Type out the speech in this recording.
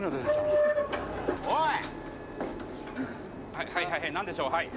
はいはいはい何でしょうはい。